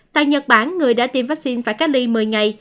tại nhật bản người đã tiêm vaccine phải cách ly một mươi ngày